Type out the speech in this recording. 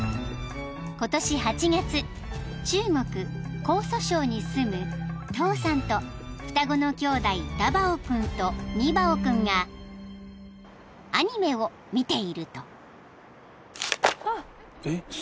［中国江蘇省に住むトウさんと双子の兄弟ダバオ君とニバオ君がアニメを見ていると］